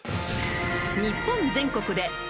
［日本全国で］